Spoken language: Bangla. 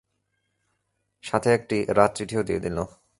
সাথে একটি রাজচিঠিও দিয়ে দিল।